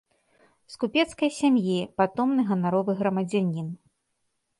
З купецкай сям'і, патомны ганаровы грамадзянін.